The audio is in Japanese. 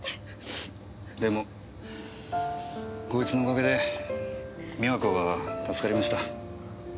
でもこいつのおかげで美和子が助かりました。